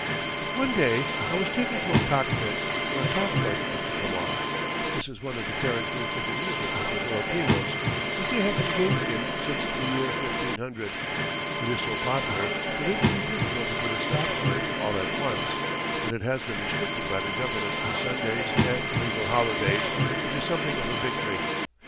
One day I was taken to a cockpit, where a cockfight was to come off. This is one of the characteristic amusements of the Filipinos, which they have engaged in since the year 1500. It is so popular that it would be difficult to put a stop to it all at once, but it has been restricted by the government to Sundays and legal holidays, which is something of a victory.